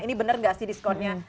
ini benar nggak sih diskonnya